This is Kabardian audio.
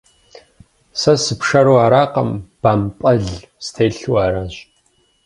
Сэ сыпшэру аракъым, бампӏэл стелъу аращ.